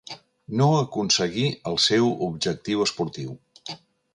No aconseguí el seu objectiu esportiu.